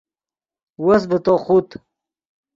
وس ڤے تو خوت